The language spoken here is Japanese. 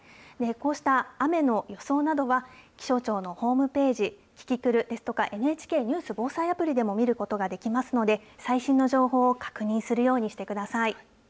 こうした雨の予想などは、気象庁のホームページ、キキクルですとか、ＮＨＫニュース・防災アプリでも見ることができますので、最新の情報を確認するようにしてください。